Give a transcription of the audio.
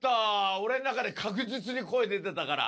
俺ん中で、確実に声出てたから。